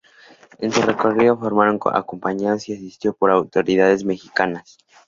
En su recorrido fueron acompañados y asistidos por autoridades mexicanas.